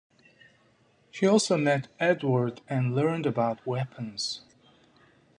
She also met Edward, and learned about weapons.